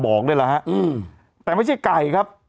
บอกด้วยนะฮะแต่ไม่ใช่ไก่ครับ